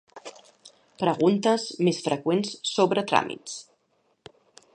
Preguntes més freqüents sobre tràmits.